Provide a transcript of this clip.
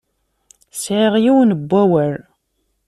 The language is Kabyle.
Sɛiɣ yiwen n wawal.